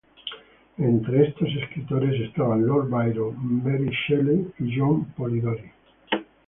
Entre estos escritores estaban Lord Byron, Mary Shelley y John Polidori.